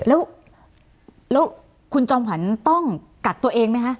แล้วคุณจอมขวัญต้องกักตัวเองไหมคะ